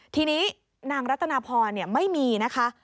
ทีนี้นางรัตนาพรไม่มีนะคะ